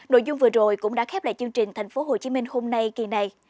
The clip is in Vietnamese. nội dung vừa rồi cũng đã khép lại chương trình thành phố hồ chí minh hôm nay kỳ này